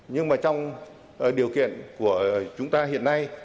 nhưng mà trong điều kiện của chúng ta hiện nay